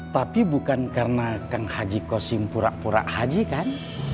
tapi bukan karena kang haji kosim pura pura haji kan